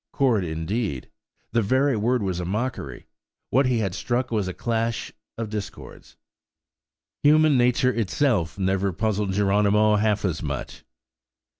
Chord indeed! the very word was a mockery; what he had struck was a clash of discords. Human nature itself had never puzzled Geronimo half as much!